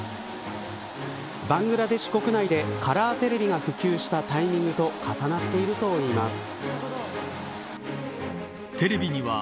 バングラデシュ国内でカラーテレビが普及したタイミングと重なっているといいます。